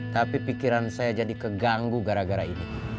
tapi pikiran saya jadi keganggu gara gara ini